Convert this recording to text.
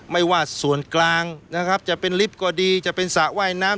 ไม่ว่าส่วนกลางนะครับจะเป็นลิฟต์ก็ดีจะเป็นสระว่ายน้ำ